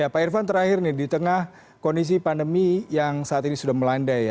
pak irvan terakhir nih di tengah kondisi pandemi yang saat ini sudah melandai ya